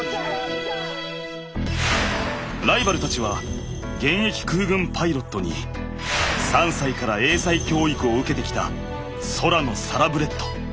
ライバルたちは現役空軍パイロットに３歳から英才教育を受けてきた空のサラブレッド。